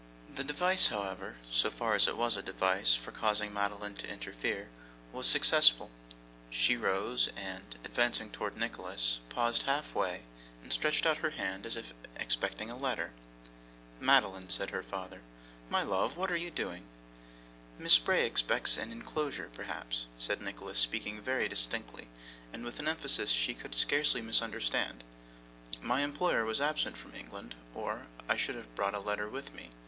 The device, however, so far as it was a device for causing Madeline to interfere, was successful. She rose, and advancing towards Nicholas paused half way, and stretched out her hand as expecting a letter. 'Madeline,' said her father impatiently, 'my love, what are you doing?' 'Miss Bray expects an inclosure perhaps,' said Nicholas, speaking very distinctly, and with an emphasis she could scarcely misunderstand. 'My employer is absent from England, or I should have brought a letter with me.